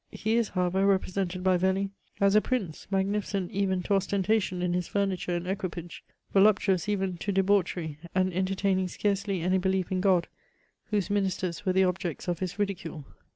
He is, however, represented by Velly as a prince, magnificent even to ostentation in his furniture and equipage, voluptuous even to debauchery, and entertaining scarcely any belief in God, whose ministers were the objects of his ridicule.